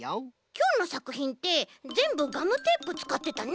きょうのさくひんってぜんぶガムテープつかってたね。